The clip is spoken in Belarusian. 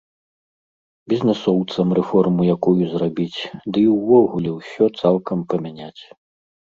Бізнэсоўцам рэформу якую зрабіць, ды і ўвогуле ўсё цалкам памяняць.